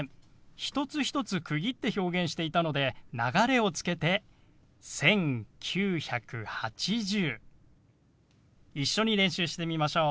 一つ一つ区切って表現していたので流れをつけて「１９８０」。一緒に練習してみましょう。